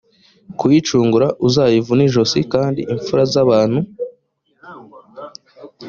kuyicungura uzayivune ijosi kandi imfura z abantu